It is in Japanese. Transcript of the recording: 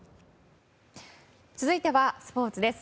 続いてはスポーツです。